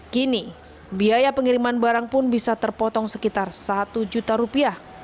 kini biaya pengiriman barang pun bisa terpotong sekitar satu juta rupiah